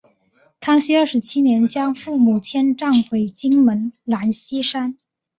康熙二十七年将父母迁葬回金门兰厝山。